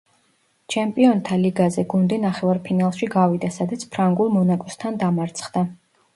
ჩემპიონთა ლიგაზე გუნდი ნახევარფინალში გავიდა, სადაც ფრანგულ „მონაკოსთან“ დამარცხდა.